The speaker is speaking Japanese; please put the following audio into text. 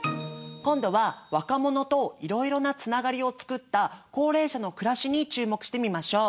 今度は若者とイロイロなつながりを作った高齢者の暮らしに注目してみましょう。